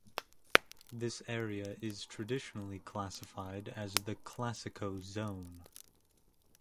This area is traditionally classified as the "classico zone".